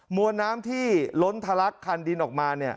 วนน้ำที่ล้นทะลักคันดินออกมา